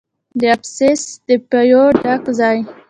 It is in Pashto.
د ابسیس د پیو ډک ځای دی.